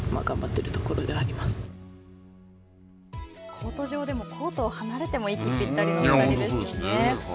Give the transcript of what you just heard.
コート上でもコートを離れても息ぴったりの２人ですよね。